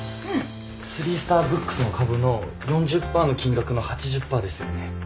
スリースターブックスの株の４０パーの金額の８０パーですよね？